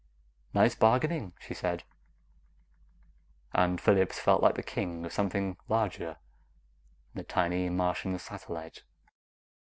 "Nice bargaining," she said, and Phillips felt like the king of something larger than a tiny Martian satellite.